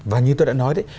và như tôi đã nói đấy